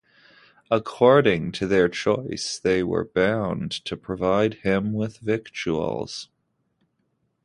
According to their choice they were bound to provide him with victuals.